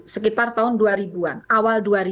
sekitar tahun dua ribu an awal dua ribu